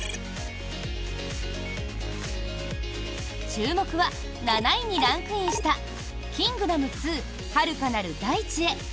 注目は７位にランクインした「キングダム２遥かなる大地へ」。